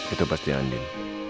itu pasti andin